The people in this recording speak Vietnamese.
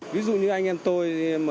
ví dụ như anh em tôi